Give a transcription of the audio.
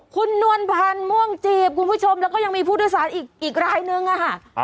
คุณนวลพันธ์ม่วงจีบคุณผู้ชมแล้วก็ยังมีผู้โดยสารอีกรายนึงอะค่ะ